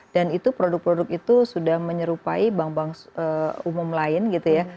dan itu produk produk itu sudah menyerupai bank bank umum lain gitu ya